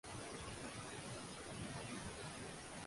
Rossiyada vaksinadan bosh tortgan xodimlar jazolanmoqda